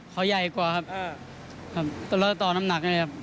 ขอใหญ่กว่าครับตลอดต่อน้ำหนักนะครับ